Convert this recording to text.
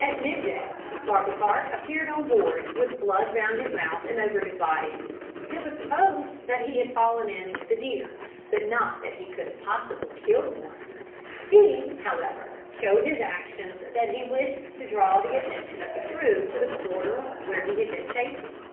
At mid day Barbekark appeared on board, with blood round his mouth and over his body. It was supposed that he had fallen in with the deer, but not that he could possibly have killed one. He, however, showed by his actions that he wished to draw the attention of the crew to the quarter where he had been chasing.